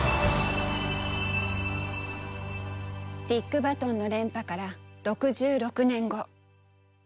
ディック・バトンの連覇から６６年後。